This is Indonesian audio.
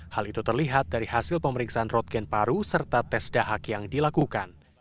hal itu terlihat dari hasil pemeriksaan rotgen paru serta tes dahak yang dilakukan